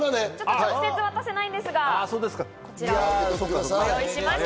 直接渡せないので、こちらにご用意しました。